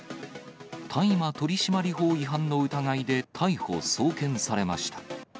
大麻取締法違反の疑いで逮捕・送検されました。